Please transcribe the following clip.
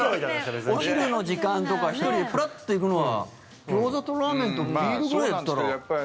お昼の時間とか１人でプラッと行くのはギョーザとラーメンとビールぐらいだったら。